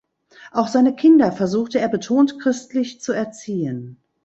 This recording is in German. Auch seine Kinder versuchte er betont christlich zu erziehen.